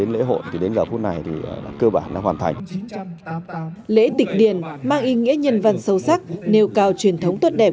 lễ tịch điền mang ý nghĩa nhân văn sâu sắc nêu cao truyền thống tốt đẹp